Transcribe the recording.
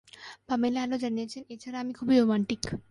Pamela আরো জানিয়েছেন, 'এ ছাড়া আমি খুবই রোমান্টিক।